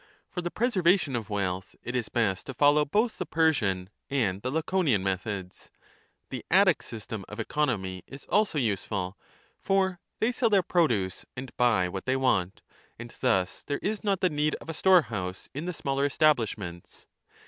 For the preservation of wealth it is best to 30 follow both the Persian and the Laconian methods. The Attic system of economy is also useful ; for they sell their produce and buy what they want, and thus there is not the need of a storehouse in the smaller establishments.